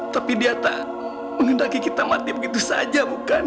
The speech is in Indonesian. tapi dia tak menghendaki kita mati begitu saja bukan